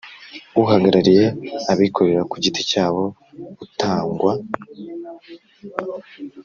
Uhagarariye abikorera ku giti cyabo utangwa